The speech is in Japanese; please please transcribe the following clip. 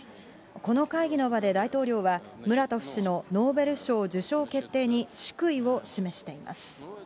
この会議の場で大統領は、ムラトフ氏のノーベル賞受賞決定に祝意を示しています。